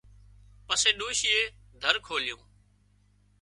پسي ڏوشيئي در کولُيون